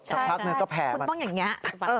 ครับสักพักหนึ่งต้องแผ่มันใช่ฝนต้องอย่างเงี้ย